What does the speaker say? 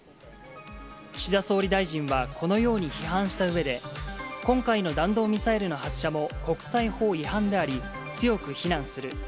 岸田総理大臣は、このように批判したうえで、今回の弾道ミサイルの発射も国際法違反であり、強く非難する。